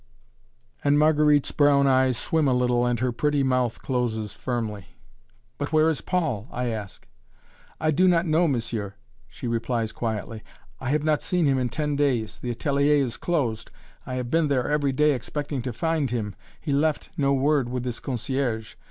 And Marguerite's brown eyes swim a little and her pretty mouth closes firmly. "But where is Paul?" I ask. "I do not know, monsieur," she replies quietly; "I have not seen him in ten days the atelier is closed I have been there every day, expecting to find him he left no word with his concierge.